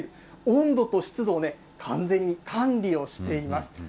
温度と湿度を完全に管理をしています。